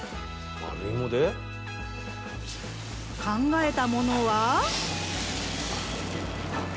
考えたものは。